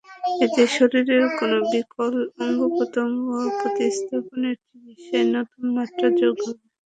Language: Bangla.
এতে শরীরের কোনো বিকল অঙ্গপ্রত্যঙ্গ প্রতিস্থাপনের চিকিৎসায় নতুন মাত্রা যোগ হবে।